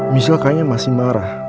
michelle kayaknya masih marah